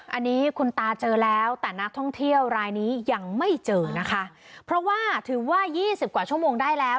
อันนี้คุณตาเจอแล้วแต่นักท่องเที่ยวรายนี้ยังไม่เจอนะคะเพราะว่าถือว่ายี่สิบกว่าชั่วโมงได้แล้ว